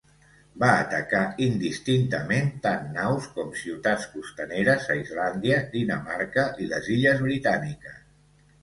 Va atacar indistintament tant naus com ciutats costaneres a Islàndia, Dinamarca i les Illes Britàniques.